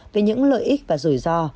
về những lợi ích và rủi ro